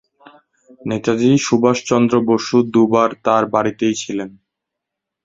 নেতাজী সুভাষচন্দ্র বসু দু'বার তাঁর বাড়িতেই ছিলেন।